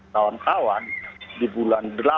kawan kawan di bulan